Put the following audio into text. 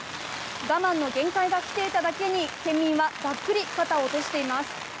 我慢の限界が来ていただけに県民はがっくり肩を落としています。